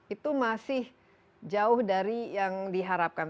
itu masih jauh dari yang diharapkan